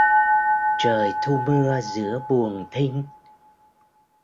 Trời thu mưa giữa buồn thinh